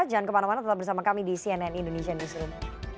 jangan kemana mana tetap bersama kami di cnn indonesian newsroom